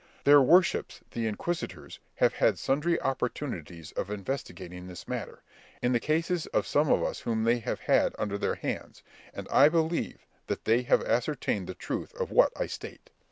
Their worships the inquisitors have had sundry opportunities of investigating this matter, in the cases of some of us whom they have had under their hands, and I believe that they have ascertained the truth of what I state.